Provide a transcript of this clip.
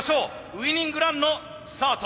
ウイニングランのスタート。